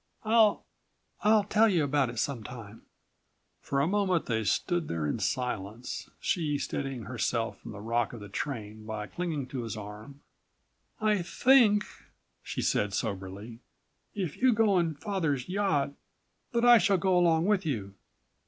I—I'll tell you about it some time." For a moment they stood there in silence, she steadying herself from the rock of the train by clinging to his arm. "I think," she said soberly, "if you go in124 father's yacht, that I shall go along with you."